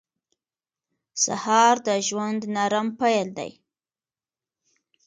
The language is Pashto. سهار د ژوند نرم پیل دی.